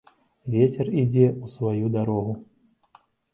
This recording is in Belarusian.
Вецер ідзе ў сваю дарогу.